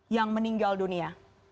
yang meninggal dunia